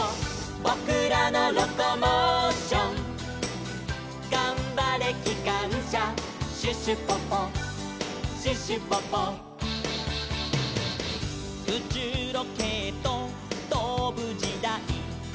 「ぼくらのロコモーション」「がんばれきかんしゃ」「シュシュポポシュシュポポ」「うちゅうロケットとぶじだい」